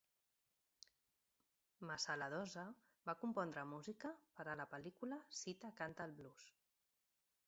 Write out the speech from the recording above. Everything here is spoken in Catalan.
Masaladosa va compondre música per a la pel·lícula "Sita canta el blues".